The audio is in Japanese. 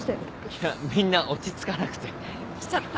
いやみんな落ち着かなくて。来ちゃった。